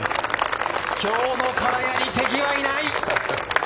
今日の金谷に敵はいない。